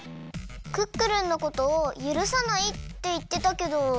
「クックルンのことをゆるさない」っていってたけど。